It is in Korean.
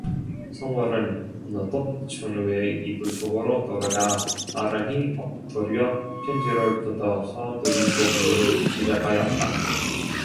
성월은 어느덧 춘우의 이불 속으로 들어가 나란히 엎드려 편지를 뜯어 서둘이 보기를 시작하였다.